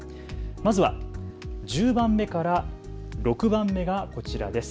まずは１０番目から６番目がこちらです。